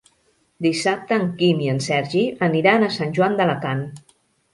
Dissabte en Quim i en Sergi aniran a Sant Joan d'Alacant.